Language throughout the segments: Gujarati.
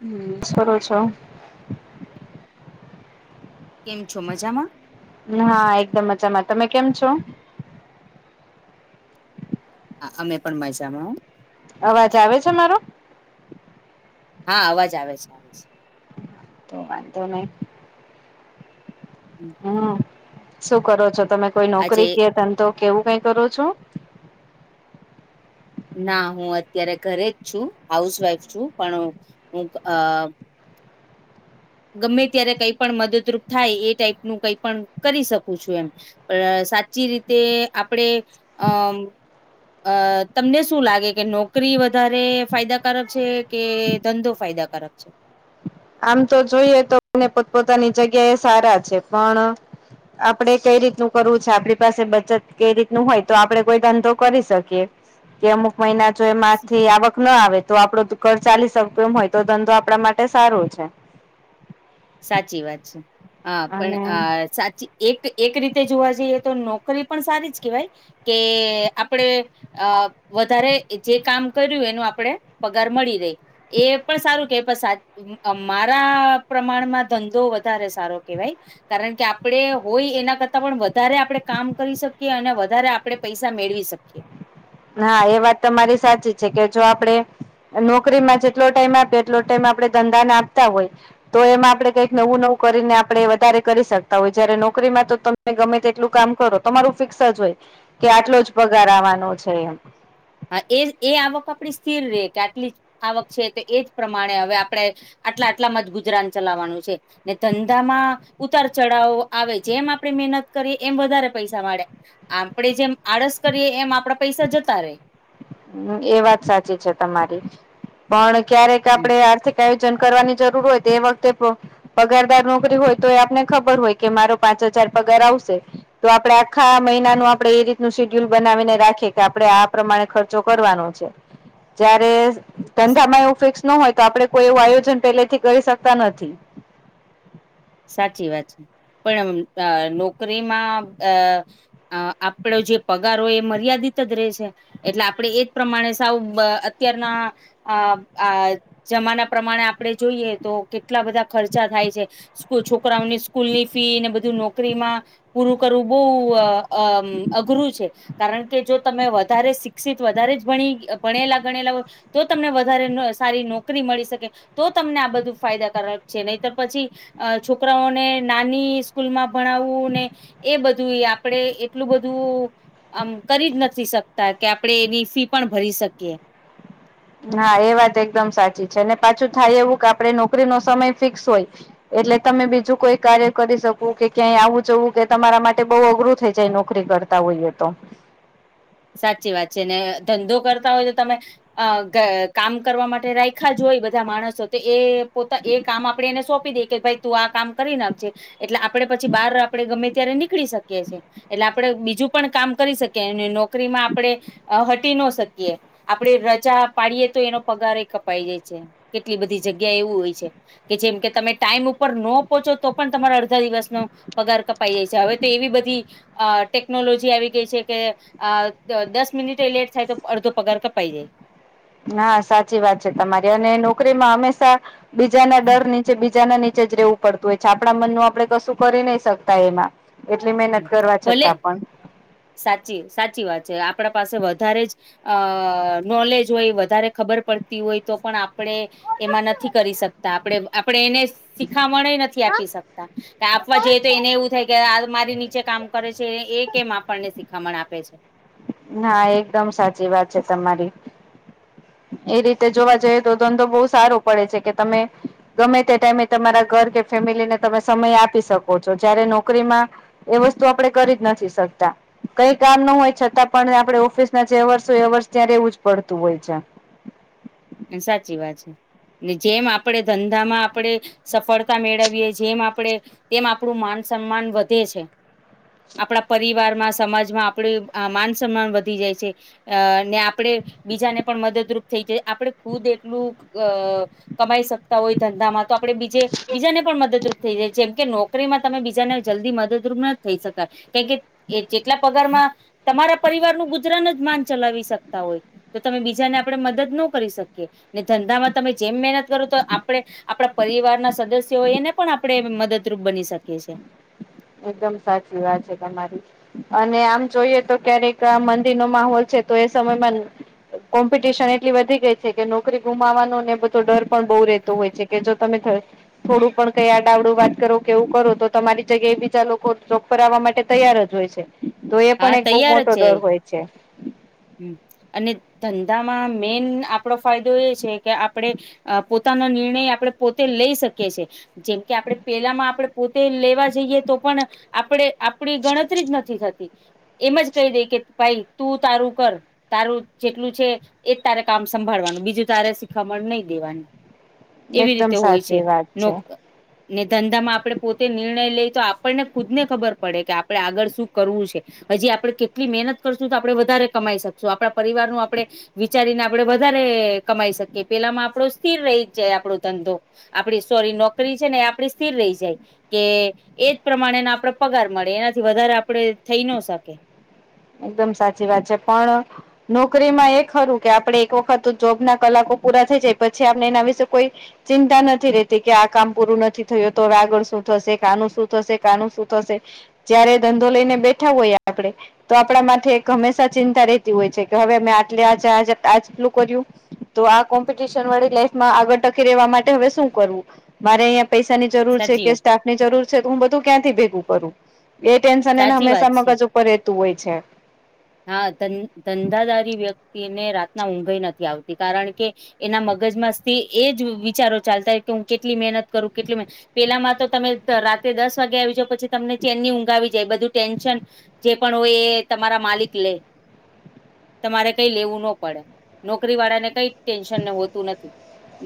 હમ્મ સારું ચાલ કેમ છો મજામાં? હા એકદમ મજામાં, તમે કેમ છો? હા, અમે પણ મજામાં હો અવાજ આવે છે મારો. હા, અવાજ આવે છે, આવે છે. તો વાંધો નહી. હમ્મ, શું કરો છો તમે કોઈ આજે નોકરી કે ધંધો કે એવું કઈ કરો છો. ના હું અત્યારે ઘરે જ છું, હાઉસવાઈફ છું પણ હું અ ગમે ત્યારે કઈ પણ મદદરૂપ થાય એ ટાઈપનું કઈ પણ કરી શકું છું એમ. પણ સાચી રીતે આપડે અમ અ તમને શું લાગે કે નોકરી વધારે ફાયદાકારક છે, કે ધંધો ફાયદા ફરક છે. આમ તો જોઈએ તો બંને પોતપોતાની જગ્યા સારા છે, પણ આપડે કઈ રીતનું કરવું છે, આપણી પાસે બચત કઈ રીત નુ હોય તો આપડે કોઈ ધંધો કરી શકીએ. કે અમુક મહિના જો એમાંથી આવક ના આવે તો આપડું ઘર ચાલી શકતું એમ હોય તો ધંધો આપણા માટે સારો છે. સાચી વાત છે, હા પણ અને અ સાચી એક એક રીતે જોવા જઈએ તો નોકરી પણ સારી જ કહેવાય, કે આપણેે અ વધારે જે કામ કર્યું એનું આપણેે પગાર મળી રય એ પણ સારું કે પણ સાચું મારા પ્રમાણમાં ધંધો વધારે સારો કેહેવાય. કારણ કે આપડે હોય એના કરતાં પણ વધારે આપડે કામ કરી શકીએ, અને વધારે આપડે પૈસા મેળવી શકીએ. હા એ વાત તમારી સાચી છે કે, જો આપડે નોકરીમાં જેટલો ટાઈમ આપે એટલો ટાઈમ આપડે ધંધાને આપતા હોય. તો એમાં આપડે કંઈક નવું નવું કરીને આપણે વધારે કરી શકતા હોય જયારે નોકરીમાં તો તમે ગમે તે એટલું કામ કરો તમારું ફિક્સ જ હોય કે આટલો જ પગાર આવવાનો છે, એમ હા એ એ આવક આપણી સ્થિર રયે કે આટલી આવક છે તો એજ પ્રમાણે હવે આપણે આટલા આટલા માજ ગુજરાન ચલાવવાનું છે. ને ધંધામાં ઉતાર ચઢાવો આવે છે, જેમ આપણે મહેનત કરીએ એમ વધારે પૈસા મળે. આપડે જેમ આળસ કરીએ એમ આપણા પૈસા જતા રહેે. એ વાત સાચી છે, તમારી પણ ક્યારેક હમ આપડે આર્થિક આયો જન કરવાની જરૂર હોય, તો તે એ વખતે પગારદાર નોકરી હોય, તોએ આપને ખબર હોય કે મારો પાંચ હજાર પગાર આવશે. તો આપણે આખા મહિનાનું આપડે એ રીતનું શેડ્યુલ બનાવીને રાખીએ કે આપણે આ પ્રમાણે ખર્ચ, કરવાનો છે, જ્યારે ધંધા મા એવું કંઈક ન હોય તો આપડે કોઈ એવું આયોજન પેલે થી કરી શકતા નથી. સાચી વાત છે, પણ નોકરીમાં અ અ આપડો જે પગાર હોય એ મર્યાદિત જ રહે છે, એટલે આપણે એજ પ્રમાણે સાવ અત્યારના, અ આ જમાના પ્રમાણે આપણે જોઈએ તો કેટલા બધા ખર્ચા થાય છે. છોકરાઓની સ્કૂલ ની ફીને બધું નોકરીમાં, પૂરું કરવું બહુ અ અઘરું છે, કારણ કે, જો તમે વધારે શિક્ષિત વધારે જ ભણી ભણેલા ગણેલા હો. તો તમને વધારે ન સારી નોકરી મળી શકે. તો તમને આ બધું ફાયદાકારક છે, નહીંતર પછી અ છોકરાઓને નાની સ્કૂલમાં ભણાવવું ને એ બધું ય આપડે એટલું બધું આમ કરી જ નથી શકતા કે આપણે એ વિશી પણ ભરી શકીએ. હા એ વાત એકદમ સાચી છે અને પાછું થાય એવું કે આપણે નોકરી નો સમય ફિક્સ હોય. એટલે તમે બીજું કોઈ કાર્ય કરી શકું કે ક્યાંય આવું જવું કે તમારા માટે બહુ અઘરું થઇ જાય નોકરી કર તા હોઈએ તો. સાચી વાત છે, ને ધંધો કરતા હોય તો તમે. અ કામ કરવા માટે રાયખા જ હોય બધા માણસો તો એ પોતા એ કામ આપડે એને સોંપી દે. કે ભાઈ તું આ કામ કરી નાખજે એટલે આપડે પછી બહાર આપડે ગમે ત્યારે નીકળી શકીએ છીએ. એટલે આપણે બીજું પણ કામ કરી શકીએ અને નોકરીમાં આપણે અ હટી ન શકીએ. આપડે રજા પાડીએે તો એનો પગાર એ કપાઈ જાય છે, કેટલી બધી જગ્યા એવું હોય છે. કે જેમ તમે ટાઈમ ઉપર ન પહોંચો પણ તમારા અડધા દિવસનો પગાર કપાઈ જાય છે હવે તો એવી બધી અ ટેકનોલોજી આવી ગઈ છે કે અ દસ મિનિ લેટ થાય તો અડધો પગાર કપાય જાય. હા સાચી વાત છે, તમારી અને નોકરીમાં હંમેશા બીજાના ડર નીચે બી બીજાના નીચે જ રહેવું પડતું હોય છે, આપણા મનનું આપણે કશું કરી નહી શકતા એમાં. એટલી મહેનત કરવા ભલે છતાં પણ સાચી સાચી વાત છે આપણા પાસે વધારે જ અ નોલેજ હોય વધારે ખબર પડતી હોય તો પણ આપણે એમાં નથી કરી શકતા આપણે આપડે એને સી શીખામણે નથી આપી શકતા કે આપવા જઈએ તો એને એવું થાય કે આ મારી નીચે કામ કરે છે, એ કેમ આપણને શીખામણ આપે છે. ના એકદમ સાચી વાત છે તમારી. એ રીતે જોવા જઈએ તો ધંધો બહુ સારો પડે છે કે તમે ગમે તે ટાઈમે તમારા ઘર કે ફેમિલીને તમે સમય આપી શકો છો, જયારે નોકરીમાં એ વસ્તુ આપણેે કરી જ નથી શકતા. કંઈ કામ ન હોય છતાં પણ આપણે ઓફિસના જે અવર્સ હોય એ અવર્સ ત્યાં રહેવું જ પડતું હોય છે. સાચી વાત છે ને જેમ આપડે ધંધામાં આપડે સફળ મેળવીએ, જેમ આપણેે તેમ આપણું માન સન્માન વધે છે. આપણા પરિવારમાં સમાજમાં આપડે માન સન્માન વધી જાય છે. અ ને આપડે બીજાને પણ મદદરૂપ થઈ જાય આપડે ખુદ એટલું અ કમાઈ શકતા હોય ધંધામાં તો આપણે બીજે બીજાને પણ મદદરૂપ થઈએ છીએ જેમ કે નોકરીમાં તમે બીજાને જલ્દી મદદરૂપ ન થઈ શકતા કેમ કે, એ જેટલા પગારમાં તમારા પરિવારનું ગુજરાન જ માંડ ચલાવી શકતા હોય તો તમે બીજાને આપણે મદદ નો કરી શક કીએ, ને ધંધામાં તમે જેમ મહેનત કરો તો આપણે આપણા પરિવારના સદસ્ય હોય એને પણ આપણે મદદરૂપ બની શકીએ છીએ. એકદમ સાચી વાત છે તમારી. અને આમ જોઈએ તો ક્યારેક મંદિરનો માહોલ છે તો એ સમયમાં કોમ્પિટિશન એટલી વધી છે કે નોકરી ગુમાવાનું ને એ બધ તો ડર પણ બહુ રહેતો હોય છે કે જો તમે ઘ થોડું પણ કઈ આડાઅવડું વાત કરો કેવું કરો તો તમારી જગ્યાએ બી બીજા લોકો ચોક પર આવવા માટે તૈયાર જ હોય છે તો એ પણ હા એક બહુ તૈયાર જ મોટો છે ડર એ હોય છે હમ અને ધંધામાં મેન આપડો ફાયદો એ છે કે આપડે અ પોતાના નિર્ણય આપણે પોતે લઈ શકીએ છીએ જેમકે આપણે પેલામાં આપણે પોતે જ લેવા જઈએ તો પણ આપણે જ આપડી ગણતરી જ નથી થતી એમ જ કહી દે કે ભાઈ તું તારું કર તારું જેટલું છે એજ તારે કામ સંભાળવાનું બીજું તારે શીખામન દેવા એવી એકદમ રીતે હોય છે સાચી વાત છે. લોક ને ધંધામાં આપણે પોતે નિર્ણય લઈ તો આપણને ખુદ ને ખબર પડે કે આપણે આગળ શું કરવું છે હજી આપણે કેટલી મહેનત કરશું તો આપણે વધારે કમાઈ શકશું આપણા પરિવારનું આપણે વિચારીને આપડે વધારે કમાઈ શકીએ પેલામાં આપણો સ્થિર રહી જાય આપણો ધંધો આપડી સોરી નોકરી છે ને એ આપડી સ્થિર રહી જાય કે એજ પ્રમાણેના આપડે પગાર મળે એનાથી વધારે આપડે થઈ ન શકે એકદમ સાચી વાત છે પણ નોકરીનું એ ખરું કે આપડે એક વખત જોબના કલાકો પૂરા થઈ જાય પછી આપણે એના વિશે કોઈ ચિંતા નથી રેતી કે આ કામ પૂરું નથી થયું તો હવે આગળ શું થશે કે આનું શું થશે કા આનું શું થશે જયારે ધંધો લઈને બેઠા હોય આપડે તો આપણા માથે એક હંમેશા ચિંતા રહેતી હોય છે કે હવે મે આટલે આજે આટલું કર્યું તો આ કોમ્પિટિશન વાળી લાઈફમાં આગળ ટકી રહેેવા માટે હવે શું કરવું મારે અહિયા પૈસા ની જરૂર છે સાચી કે વાત સ્ટાફ ની જરૂર છે તો હું ક્યાંથી ભેગું કરું એ ટેન્શન એને સાચી હંમેશા વાત છે. મગજ ઉપર રહેતું હોય છે હા ધં-ધન્ધાદારી વ્યક્તિને રાતના ઊંઘઈ નથી આવતી કારણ કે એના મગજમાં સ્થી એજ વિચારો ચાલતા હોય કે હું કેટલી મહેનત કરું કેટલી પેલામાં તો તમે રાત્રે દસ વાગે આવી જાાવ પછી તમને ચેનની ઊંઘ આવી જાય બધું ટેન્શન જે પણ હોય એ તમારા માલિક લેય તમારે કઈ લેવું ન પડે નોકરી વાળા ને કઈ ટેન્શન હોતું નથી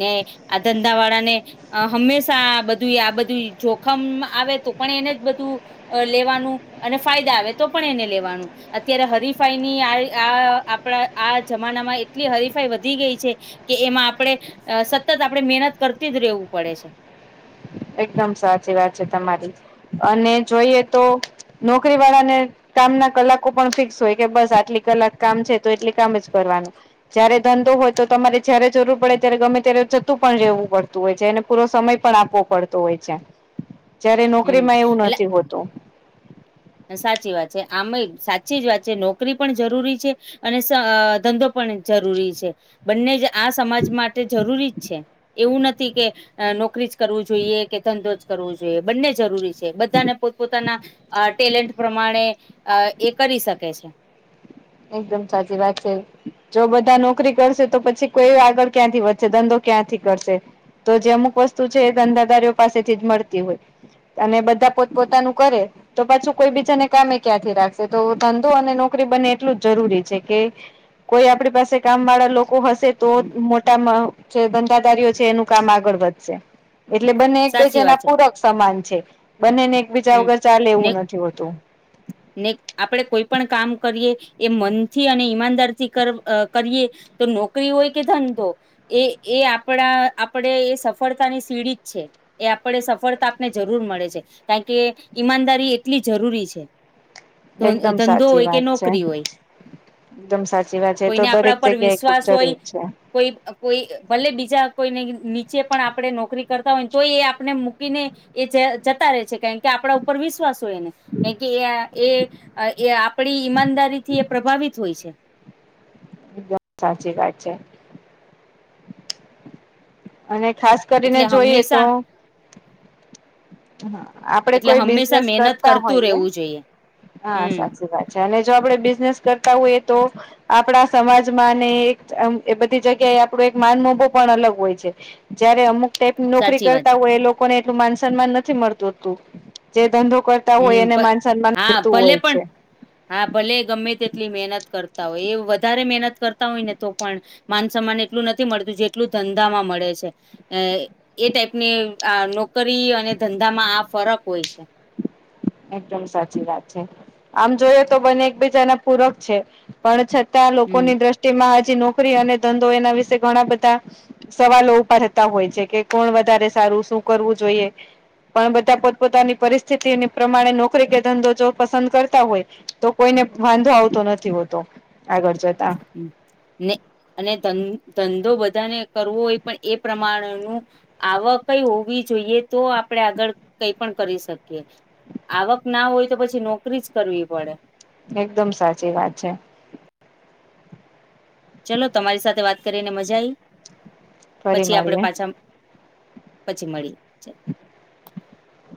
ને આ ધંધા વાળા ને અ હંમેશા બધું આ બધું જોખમ આવે તો પણ એને જ બધું અ લેવાનું અને ફાયદા આવે તો પણ એને લેવાનું અત્યારે હરીફાઈની આ આ આપણા આ જમાનામાં એટલી હરીફાઈ વધી ગઈ છે. કે એમાં આપડણે સતત આપણે મહેનત કરતી જ રહેેવું પડે છે એકદમ સાચી વાત છે તમારી અને જોઈએ તો નોકરી વાળાને કામ ના કલાકો પણ ફિક્સ હોય કે બસ આટલી કલાક કામ છે તો એટલી કામ જ કરવાનું જયારે ધંધો હોય તો તમારે જયારે જરૂર પડે ત્યારે ગમે ત્યારે જતું પણ રહેવું પડ હોય છે એને પૂરો સમય પણ આપવો પડતો હોય છે જયારે હમ નોકરીમાં એવું એટલે નથી હોતું સાચી વાત છે આમય સાચી જ વાત છે નોકરી પણ જરૂરી છે અને ધંધો પણ જરૂરી છે બંને જ આ સમાજ માટે જરૂરી જ છે એવું નથી કે અ નોકરી જ કરવું જોઈએ કે ધંધો જ કરવો જોઈએ બંને જરૂરી છે બધાને પોત-પોતાના ટેલેન્ટ પ્રમાણે એ કરી શકે છે એકદમ સાચી વાત છે જો બધા નોકરી કરશે તો પછી કોઈ આગળ ક્યાંથી વધશે, ધંધો ક્યાંથી કરશે? તો જે અમુક વસ્તુ છે એ ધંધાદારીઓ પાસેથી જ મળતી હોય. અને બધા પોત પોતાનું કરે તો પાછું કોઈ બીજાને કામે ક્યાંથી રાખશે, તો ધંધો અને નોકરી બંને એટલું જ જરૂરી છે કે કોઈ આપણી પાસે કામ વાળા લોકો હશે તો હમ જ મોટ તેમ જે ધંધાદારીઓ છે એનું કામ આગળ વધશે. એટલે, બંને સાચી એકબીજા વાત ના છે પૂરક સમાન છે. બંનેને એકબીજા હમ વગર ચાલે ને એવું નથી હોતું. ને આપણેે કોઈ પણ કામ કરીએ, એ મનથી અને ઈમાનદાર થી કરીએ- -તો નોકરી હોય કે ધંધો- -એ એ આપણા આપડે, એ સફળતા ની સીડી જ છે. એ, આપણે સફળતા આપને જરૂર મળે છે. કારણ કે ઈમાનદારી એટલી જરૂરી છે. એકદમ ધંધો સાચી હોય કે વાત છે. નોકરી હોય એકદમ સાચી વાત છે, તો કોઈને દરેક આપણા પર જગ્યા એ ખૂબ વિશ્વાસ હોય જરૂરી છે. કોઈ કોઈ ભલે બીજા કોઈને નીચે પણ આપણે નોકરી કરતા હોય, ને તો એ આપણે મૂકીને- એ જતા રહે છે. કારણ કે, આપડા ઉપર વિશ્વાસ હોય એને. કારણ કે એ- એ, એ આપડી ઈમાનદારી થી એ પ્રભાવિત હોય છે. એકદમ સાચી વાત છે. અને, ખાસ કરીને એટલે જોઈએ હંમેશા તો- હા, આપડે એટલે કોઈ હંમેશા બિઝનેસ મહેનત કરતા કરતું હોઈએ, રહેવું જોઈએ હા હમ સાચી વાત. -અને જો આપડે બિઝનેસ કરતા હોઈએ તો- આપણા સમાજમાં, ને એક એ બધી જગ્યાએ આપણો એક માન મોભો પણ અલગ હોય છે. -જયારે અમુક- ક્યાંક, નોકરી સાચી વાત કરતા હોય એ લોકોને એટલું માન સન્માન નથી મળતું હોતુ. જે ધંધો કર- -તા હોય હમ એને માન સન્માન હા મળતું ભલે હોય પણ છે. હા, ભલે ગમે તેટલી મહેનત કરતા હોય. એ વધારે મહેનત કરતા હોય ને તો પણ- માન સન્માન એટલું નથી મળતું, જેટલું ધંધામાં મળે છે. એ ટાઈપ ની, આ નોકરી અને ધંધામાં આ ફરક છે. એકદમ સાચી વાત છે. આમ, જોયએ તો બને એકબીજા ના પૂરક છે. પણ છતાં, હમ લોકોની દ્રષ્ટિમાં હજી નોકરી અને ધંધો એના વિશે ઘણા બધા- સવાલો ઉપર [unintelligible] તા હોય છે. કે કોણ વધારે સારું, શું કરવું જોઈએ. પણ, બધા પોત-પોતાની પરિસ્થિતિની- -પ્રમાણે નોકરી કે ધંધો જો પસંદ કરતા હોય, તો કોઈને વાંધો આવતો નથી હોતો. આગળ જતા- -ને અને ધંધો બધાને કરવો હોય પણ એ પ્રમાણ નું - આવકઈ હોવી જોઈએ, તો આપડે આગળ કઈ પણ કરી શકીએ. આવક ના હોય તો, પછી નોકરી જ કરવી પડે. એકદમ સાચી વાત છે. ચલો, તમારી સાથે વાત કરીને મજા આઈ. ફરી પછી આપડે મળીએ. પાછા- પછી મળીએ. [inaudible]